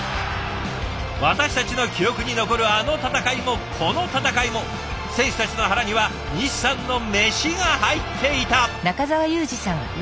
私たちの記憶に残るあの戦いもこの戦いも選手たちの腹には西さんのメシが入っていた。